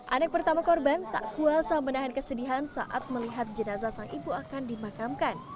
anak pertama korban tak kuasa menahan kesedihan saat melihat jenazah sang ibu akan dimakamkan